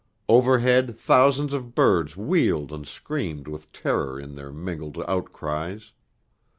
Overhead thousands of birds wheeled and screamed with terror in their mingled outcries.